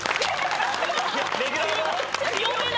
レギュラーが！